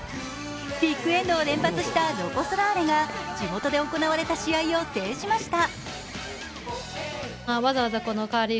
ビッグエンドを連発したロコ・ソラーレが地元で行われた試合を制覇しました。